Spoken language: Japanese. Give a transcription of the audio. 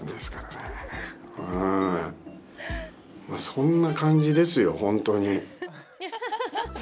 そんな感じですよ、本当に。